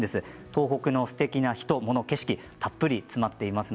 東北のすてきな人、もの、景色たっぷり詰まっています。